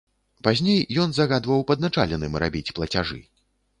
Пазней ён загадваў падначаленым рабіць плацяжы.